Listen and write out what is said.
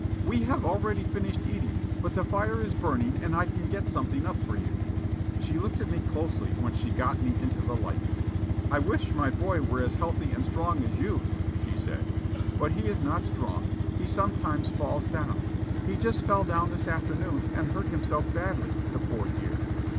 "We have already finished eating, but the fire is burning and I can get something up for you." She looked at me closely when she got me into the light. "I wish my boy were as healthy and strong as you," she said. "But he is not strong. He sometimes falls down. He just fell down this afternoon and hurt himself badly, the poor dear."